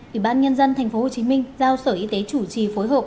ủy ban nhân dân tp hcm giao sở y tế chủ trì phối hợp